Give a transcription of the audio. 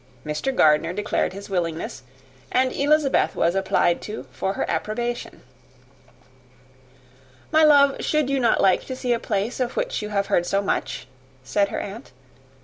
Mr. Gardiner declared his willingness, and Elizabeth was applied to for her approbation. "My love, should not you like to see a place of which you have heard so much?" said her aunt.